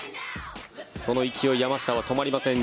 その勢い、山下は止まりません。